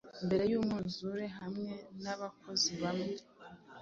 Mbere yUmwuzure, hamwe nabakozi bawe